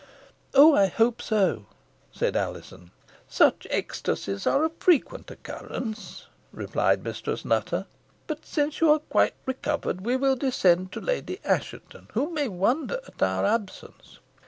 "Oh! I hope so," said Alizon. "Such ecstasies are of frequent occurrence," replied Mistress Nutter. "But, since you are quite recovered, we will descend to Lady Assheton, who may wonder at our absence.